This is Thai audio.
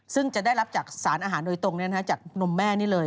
ซึ่งจะได้รับจากสารอาหารโดยตรงจากนมแม่นี่เลย